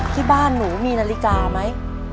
ที่บ้านหนูมีนาฬิกาไหม